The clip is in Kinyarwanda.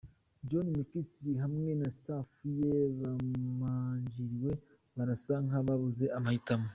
Johnny McKinstry hamwe na staff ye bamanjiriwe, barasa nkababuze amahitamo.